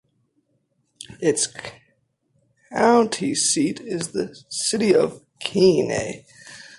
Its county seat is the city of Keene.